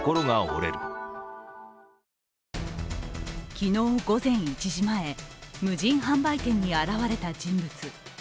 昨日午前１時前、無人販売店に現れた人物。